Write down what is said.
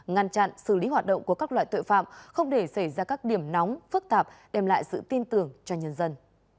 ngăn chặn xử lý hoạt động của các loại tội phạm không để xảy ra các điểm nóng phức tạp đem lại sự tin tưởng cho nhân dân